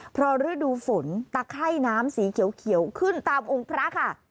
เพราะฤดูฝนตะไข้น้ำสีเขียวขึ้นตามองค์พระค่ะ